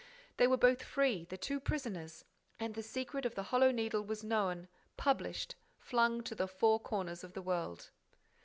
They were both free, the two prisoners! And the secret of the Hollow Needle was known, published, flung to the four corners of the world!